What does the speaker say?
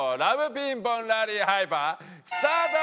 ピンポンラリーハイパースタート！